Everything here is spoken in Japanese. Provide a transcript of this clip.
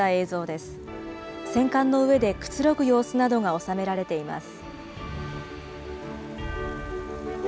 戦艦の上でくつろぐ様子などが収められています。